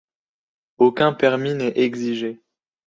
Aucun permis n'est exigé.